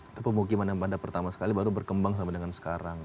itu pemukiman yang pada pertama sekali baru berkembang sampai dengan sekarang